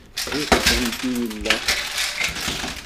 Deg-kent i yella.